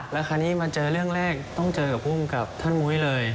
แล้วคราวนี้มาเจอเรื่องแรกต้องเจอกับภูมิกับท่านมุ้ยเลย